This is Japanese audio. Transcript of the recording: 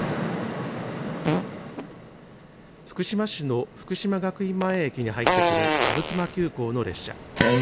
福島市の福島学院前駅に入ってくる阿武隈急行の列車。